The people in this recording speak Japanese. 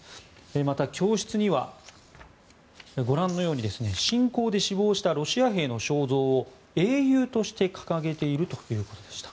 また、教室にはご覧のように侵攻で死亡したロシア兵の肖像を英雄として掲げているということでした。